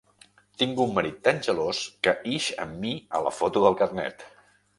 Tinc un marit tan gelós que ix amb mi a la foto del carnet.